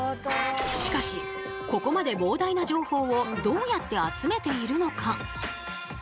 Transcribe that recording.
しかしここまで膨大な情報をどうやって集めているのか。